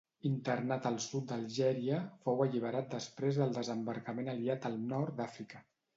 Internat al sud d'Algèria, fou alliberat després del desembarcament aliat al Nord d'Àfrica.